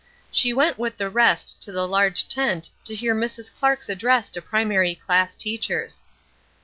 She went with the rest to the large tent to hear Mrs. Clark's address to primary class teachers.